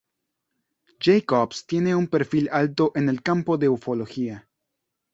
Jacobs tiene un perfil alto en el campo de la ufología.